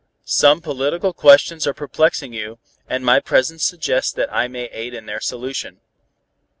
Some political questions are perplexing you, and my presence suggests that I may aid in their solution.